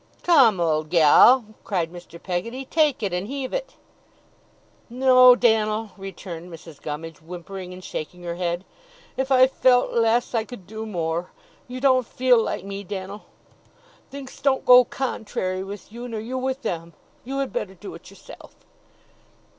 'Come, old gal!' cried Mr. Peggotty. 'Take and heave it.' 'No, Dan'l,' returned Mrs. Gummidge, whimpering and shaking her head. 'If I felt less, I could do more. You don't feel like me, Dan'l; thinks don't go contrary with you, nor you with them; you had better do it yourself.